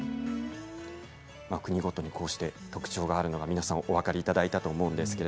国ごとに特徴があるのが皆さんお分かりいただいたと思います。